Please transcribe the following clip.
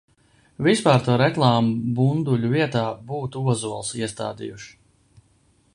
Vispār to reklāmu bunduļu vietā būtu ozolus iestādījuši.